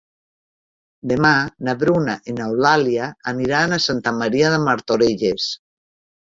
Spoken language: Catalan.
Demà na Bruna i n'Eulàlia aniran a Santa Maria de Martorelles.